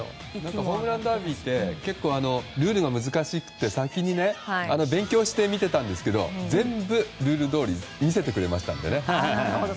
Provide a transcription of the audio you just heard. ホームランダービーってルールが難しいって先に勉強して見てたんですけどルールどおり見せてくれましたね。